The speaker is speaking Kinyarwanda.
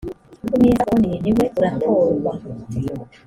umwiza uboneye niwe uratorwa.